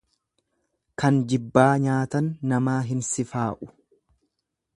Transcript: Kan jibbaa nyaatan namaa hin sifaa'u.